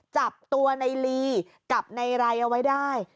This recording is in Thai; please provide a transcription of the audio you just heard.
จับตัวในลีกับในไรเอาไว้ได้